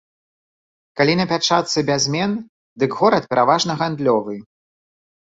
Калі на пячатцы бязмен, дык горад пераважна гандлёвы.